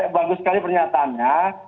bagus sekali pernyataannya